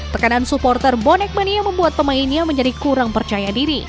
tekanan supporter bonek mania membuat pemainnya menjadi kurang percaya diri